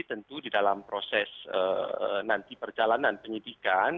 tentu di dalam proses nanti perjalanan penyidikan